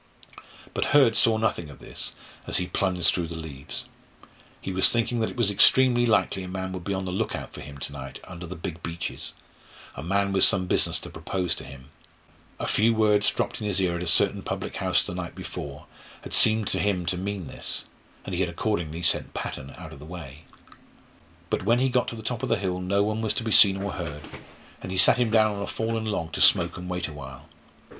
But Hurd saw nothing of this as he plunged through the leaves. He was thinking that it was extremely likely a man would be on the look out for him to night under the big beeches a man with some business to propose to him. A few words dropped in his ear at a certain public house the night before had seemed to him to mean this, and he had accordingly sent Patton out of the way. But when he got to the top of the hill no one was to be seen or heard, and he sat him down on a fallen log to smoke and wait awhile.